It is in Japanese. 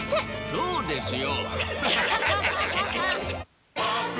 そうですよ。